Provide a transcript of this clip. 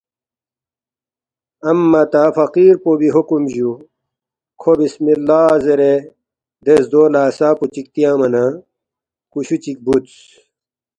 امّہ تا فقیر پو بی حکم جُو، کھو بسم اللّٰہ زیرے دے زدو لہ عصا پو چِک تیانگما نہ کُشُو چِک بُودس